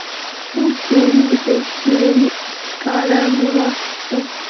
اوس مو ولیدل چې سکاره مې واخیستل.